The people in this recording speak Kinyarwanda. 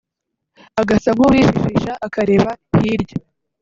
agasa nkuwijijisha akareba hirya